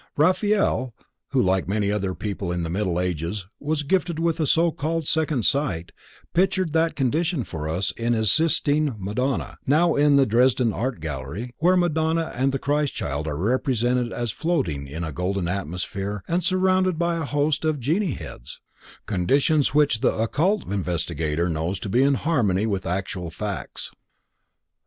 Raphael, who like many other people in the middle ages was gifted with a so called second sight, pictured that condition for us in his Sistine Madonna, now in the Dresden Art Gallery, where Madonna and the Christ child are represented as floating in a golden atmosphere and surrounded by a host of genie heads: conditions which the occult investigator knows to be in harmony with actual facts.